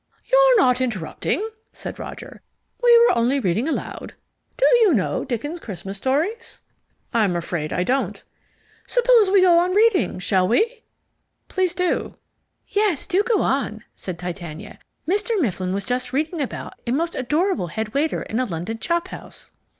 "You're not interrupting," said Roger. "We were only reading aloud. Do you know Dickens' Christmas Stories?" "I'm afraid I don't." "Suppose we go on reading, shall we?" "Please do." "Yes, do go on," said Titania. "Mr. Mifflin was just reading about a most adorable head waiter in a London chop house."